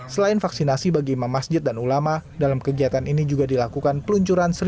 selain vaksinasi bagi imam masjid dan ulama dalam kegiatan ini juga dilakukan peluncuran